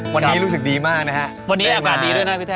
วันนี้รู้สึกดีมากนะฮะวันนี้อากาศดีด้วยนะพี่แท